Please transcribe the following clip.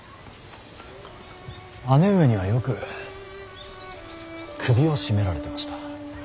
姉上にはよく首を絞められてました。